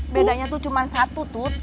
bedanya tuh cuma satu tut